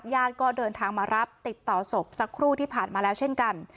ญาติก็เดินทางมารับติดต่อศพสักครู่ที่ผ่านมาแล้วเช่นกัน